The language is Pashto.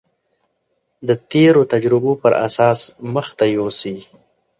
د تېرو تجربو پر اساس مخته يوسي.